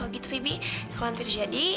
gitu bibi kalau nanti udah jadi